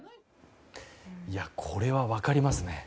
これは分かりますね。